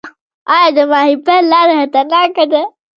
آیا د ماهیپر لاره خطرناکه ده؟